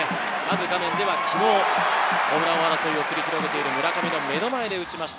昨日、ホームラン王争いを繰り広げている村上の目の前で打ちました。